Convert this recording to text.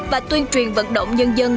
và tuyên truyền vận động nhân dân